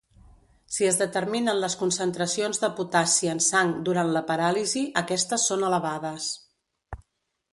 Si es determinen les concentracions de potassi en sang durant la paràlisi, aquestes són elevades.